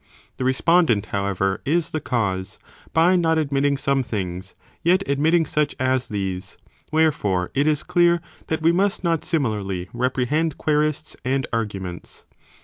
The respondent however is the cause, by not admitting some things, yet admitting such as these, wherefore it is clear that we must not similarly re prehend querists and arguments.